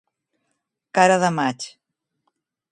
Cara de maig.